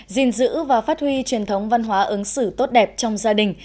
dình dữ và phát huy truyền thống văn hóa ứng xử tốt đẹp trong gia đình